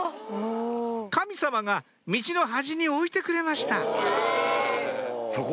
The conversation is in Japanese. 神様が道の端に置いてくれました